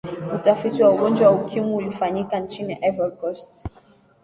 utafiti wa ugonjwa wa ukimwi ulifanyika nchini ivory coast